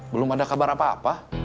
belum ada kabar apa apa